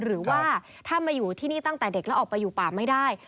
หรือว่าถ้ามาอยู่ที่นี่ตั้งแต่เด็กแล้วออกไปอยู่ป่าไม่ได้